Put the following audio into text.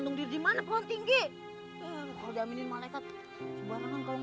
mamat sini lu